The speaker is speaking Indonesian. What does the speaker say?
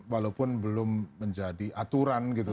walaupun belum menjadi aturan gitu